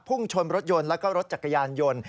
พุ่งชนรถยนต์และรถจักรยานยนต์